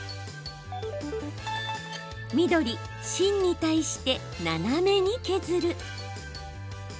緑・芯に対して、ナナメに削る。